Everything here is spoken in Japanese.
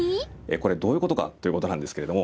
これどういうことかということなんですけれども。